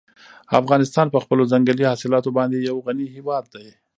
افغانستان په خپلو ځنګلي حاصلاتو باندې یو غني هېواد دی.